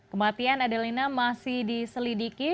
kematian adelina masih diselidiki